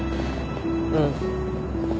うん。